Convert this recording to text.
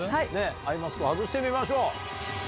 アイマスクを外してみましょう。